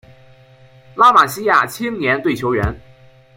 拉玛西亚青年队球员